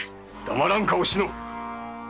黙らんかおしの！